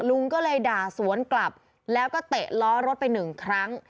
ลุงก็เลยด่าสวนกลับแล้วก็เตะล้อรถไปหนึ่งครั้ง